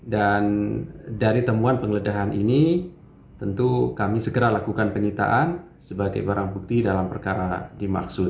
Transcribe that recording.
dan dari temuan penggeledahan ini tentu kami segera lakukan penyitaan sebagai barang bukti dalam perkara dimaksud